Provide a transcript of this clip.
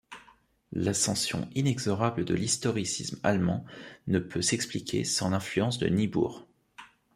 L'ascension inexorable de l'historicisme allemand ne peut s'expliquer sans l'influence de Niebuhr.